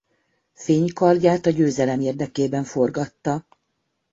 Fénykardját a győzelem érdekében forgatta.